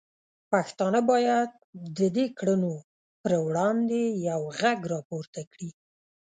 پښتانه باید د دې کړنو پر وړاندې یو غږ راپورته کړي.